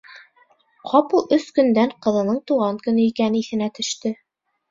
Ҡапыл өс көндән ҡыҙының тыуған көнө икәне иҫенә төштө.